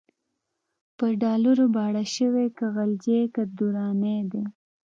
په ډالرو باړه شوی، که غلجی که درانی دی